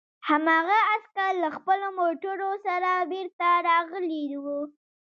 هماغه عسکر له خپلو موټرو سره بېرته راغلي وو